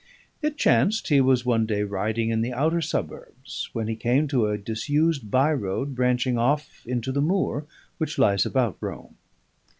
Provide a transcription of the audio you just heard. It chanced he was one day riding in the outer suburbs, when he came to a disused by road branching off into the moor which lies about Rome.